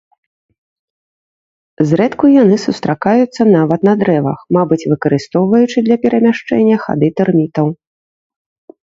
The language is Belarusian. Зрэдку яны сустракаюцца нават на дрэвах, мабыць выкарыстоўваючы для перамяшчэння хады тэрмітаў.